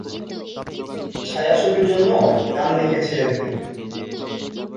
ছায়াছবির জন্যও গান লিখেছিলেন তিনি।